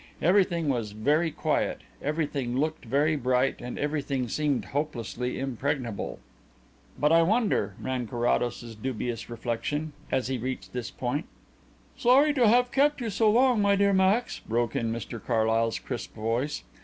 Everything was very quiet, everything looked very bright, and everything seemed hopelessly impregnable. "But I wonder?" ran Carrados's dubious reflection; as he reached this point. "Sorry to have kept you so long, my dear Max," broke in Mr Carlyle's crisp voice.